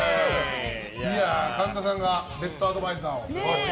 神田さんがベストアドバイザーを。